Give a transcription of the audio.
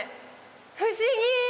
不思議！